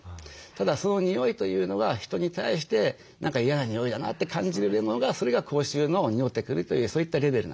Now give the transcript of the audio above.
ただその臭いというのが人に対して何か嫌な臭いだなって感じるものがそれが口臭の臭ってくるというそういったレベルなんですね。